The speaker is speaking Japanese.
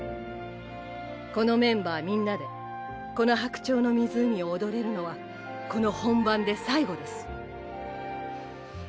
このメンバーみんなでこの「白鳥の湖」を踊れるのはこの本番で最後です。